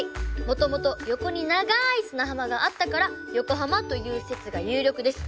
もともと横に長い砂浜があったから横浜という説が有力です。